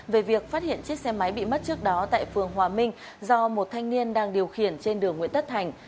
về việc phát hiện chiếc xe máy bị mất trước đó tại phường hòa minh do một thanh niên đang điều khiển trên đường nguyễn tất thành